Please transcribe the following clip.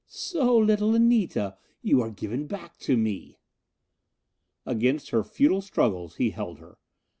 "So, little Anita, you are given back to me." Against her futile struggles he held her.